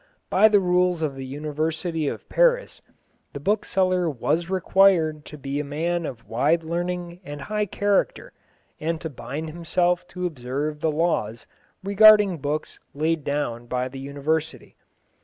By the rules of the University of Paris the bookseller was required to be a man of wide learning and high character, and to bind himself to observe the laws regarding books laid down by the University.